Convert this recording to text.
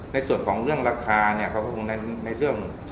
ในส่วนของเรื่องราคาเนี่ยเขาก็คงในเรื่อง